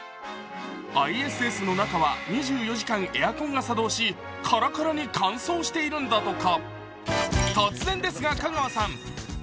ＩＳＳの中は２４時間エアコンが作動しカラカラに乾燥しているんだとか。